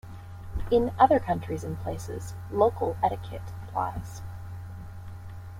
In other countries and places, local etiquette applies.